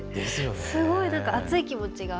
すごい熱い気持ちが。